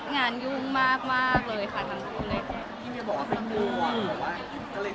งานยุ่งมากเลยค่ะทางกลุ่มได้แค่